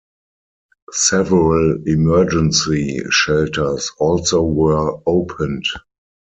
Several emergency shelters also were opened.